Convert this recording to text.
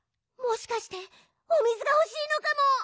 もしかしておみずがほしいのかも！